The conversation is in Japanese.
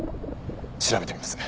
調べてみます。